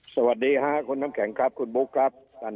สวัสดีค่ะคุณน้ำแข็งครับคุณบุ๊คครับ